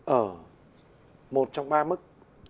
ở một trong ba mức